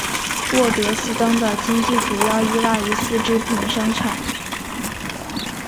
沃德斯登的经济主要依赖于丝织品生产。